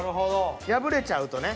破れちゃうとね。